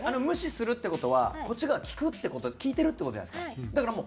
無視するって事はこっちが聞くって事聞いてるって事じゃないですか。